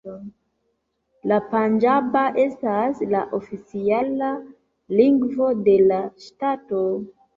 La panĝaba estas la oficiala lingvo de la ŝtato.